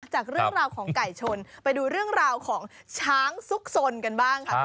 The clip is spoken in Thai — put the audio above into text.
จากเรื่องราวของไก่ชนไปดูเรื่องราวของช้างซุกสนกันบ้างค่ะ